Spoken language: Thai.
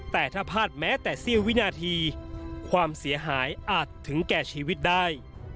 แต่ถ้าพลาดแม้แต่เสี้ยววินาทีความเสียหายอาจถึงแก่ชีวิตได้